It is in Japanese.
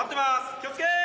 気を付け！